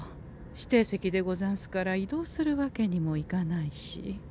指定席でござんすから移動するわけにもいかないし。